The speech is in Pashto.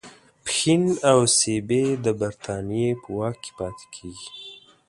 پښین او سیبی د برټانیې په واک کې پاتیږي.